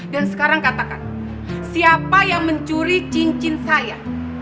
dan sekarang katakan siapa yang mencuri cincin saya